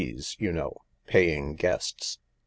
's, you know, Paying Guests.